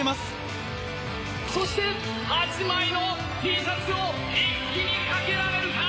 そして８枚のＴシャツを一気に掛けられるか？